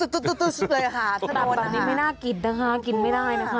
ตับบางนี้ไม่น่ากินนะคะกินไม่ได้นะคะ